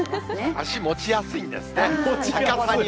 足、持ちやすいんですね。